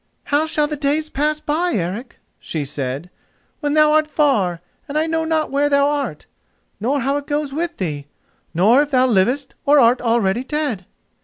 "How shall the days pass by, Eric?" she said, "when thou art far, and I know not where thou art, nor how it goes with thee, nor if thou livest or art already dead?"